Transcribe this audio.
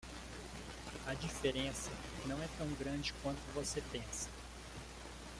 A diferença não é tão grande quanto você pensa.